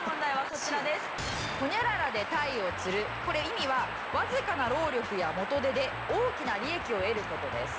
これ意味はわずかな労力や元手で大きな利益を得る事です。